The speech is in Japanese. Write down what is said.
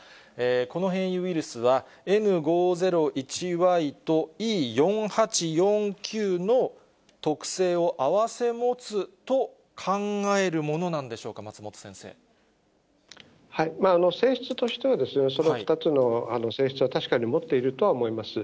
この変異ウイルスは、Ｎ５０１ＹとＥ４８４Ｑの特性を併せ持つと考えるものなんでしょ性質としては、その２つの性質は確かに持っているとは思います。